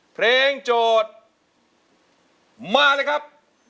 เพลงโจทย์มาเลยครับ